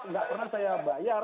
nggak pernah saya bayar